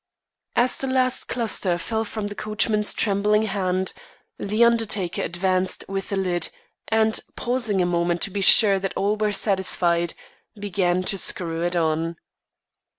As the last cluster fell from the coachman's trembling hand, the undertaker advanced with the lid, and, pausing a moment to be sure that all were satisfied, began to screw it on.